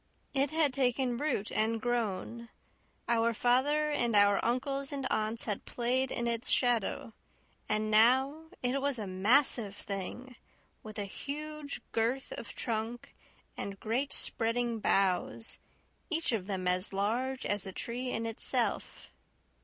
It had taken root and grown; our father and our uncles and aunts had played in its shadow; and now it was a massive thing, with a huge girth of trunk and great spreading boughs, each of them as large as a tree in itself.